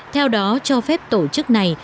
theo đó cho phép tổ chức này